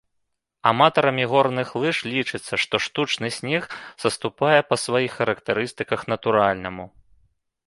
Аматарамі горных лыж лічыцца, што штучны снег саступае па сваіх характарыстыках натуральнаму.